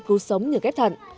cứu sống những ghép thận